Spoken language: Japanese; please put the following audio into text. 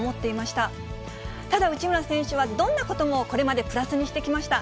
ただ、内村選手はどんなこともこれまでプラスにしてきました。